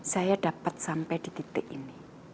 saya dapat sampai di titik ini